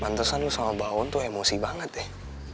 mantesan lu sama baon tuh emosi banget deh